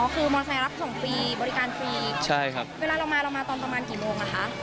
คือมอเซลรับส่งฟรีบริการฟรีเวลาเรามาเรามาตอนประมาณกี่โมงอะคะ